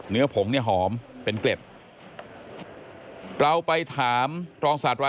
เนื้อผงเนี่ยหอมเป็นเกล็ด